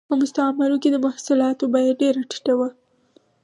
په مستعمرو کې د محصولاتو بیه ډېره ټیټه وه